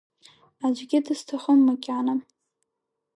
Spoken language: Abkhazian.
Аӡәгьы дысҭахым макьана.